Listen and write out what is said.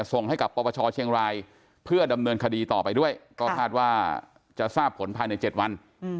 ส่งให้กับปปชเชียงรายเพื่อดำเนินคดีต่อไปด้วยก็คาดว่าจะทราบผลภายใน๗วัน